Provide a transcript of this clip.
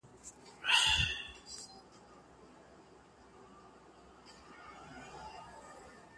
اوږدمهاله رطوبت میکروبونو ته وده ورکوي.